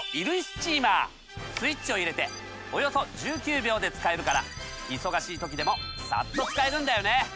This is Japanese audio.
スイッチを入れておよそ１９秒で使えるから忙しい時でもサッと使えるんだよね。